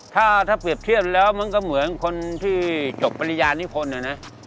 ถ้าเปรียบเทียบแล้วมันก็เหมือนคนที่จบปริญญานิพนธ์นะ